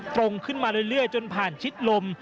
ตรงขึ้นมาเรื่อยจนผ่านชิดลม